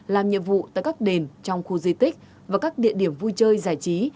làm nhiệm vụ tại các đền trong khu di tích và các địa điểm vui chơi giải trí